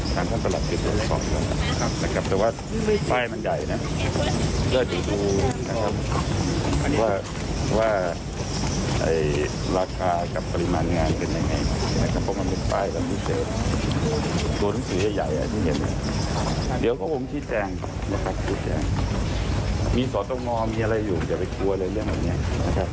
เดี๋ยวก็ผมชี้แจงมีสตงมีอะไรอยู่อย่าไปกลัวอะไรเรื่องแบบนี้นะครับ